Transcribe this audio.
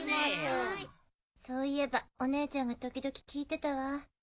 そういえばお姉ちゃんが時々聴いてたわ。